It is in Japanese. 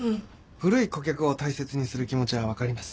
古い顧客を大切にする気持ちは分かります。